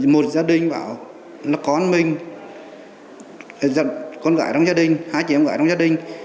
một gia đình bảo là con mình dặn con gái trong gia đình hai chị em gái trong gia đình